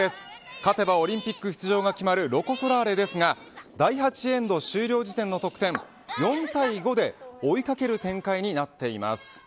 勝てばオリンピック出場が決まるロコ・ソラーレですが第８エンド終了時点の得点は４対５で追いかける展開になっています。